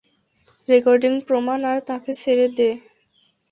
Recording, প্রমাণ আর তাকে ছেড়ে দে।